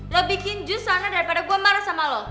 lo bikin jus sana daripada gue marah sama lo